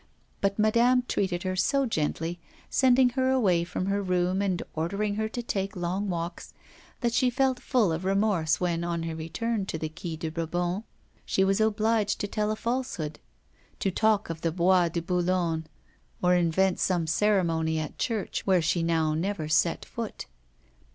But madame treated her so gently, sending her away from her room, and ordering her to take long walks, that she felt full of remorse when, on her return to the Quai de Bourbon, she was obliged to tell a falsehood; to talk of the Bois de Boulogne or invent some ceremony at church where she now never set foot.